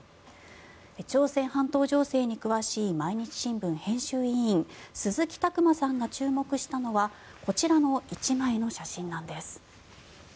朝鮮半島情勢に詳しい毎日新聞編集委員鈴木琢磨さんが注目したのはこちらの１枚の写真です。